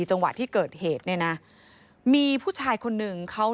จังหวะที่เกิดเหตุเนี่ยนะมีผู้ชายคนหนึ่งเขา